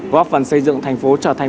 có phần xây dựng thành phố trở thành